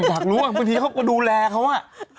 อยากรู้บางทีเขาก็ดูแลเขาอ่ะ